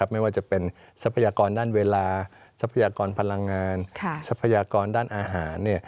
ไม่ว่าจะเป็นทรัพยากรด้านเวลาทรัพยากรพลังงานทรัพยากรด้านอาหาร